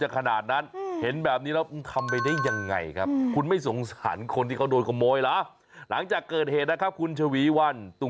แค่ที่ถูกออกไปขโมยข้าวสารไปด้วย